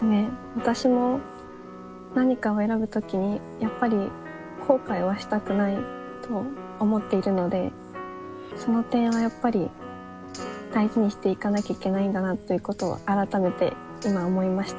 私も何かを選ぶ時にやっぱり後悔はしたくないと思っているのでその点はやっぱり大事にしていかなきゃいけないんだなということを改めて今思いました。